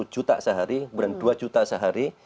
satu juta sehari kemudian dua juta sehari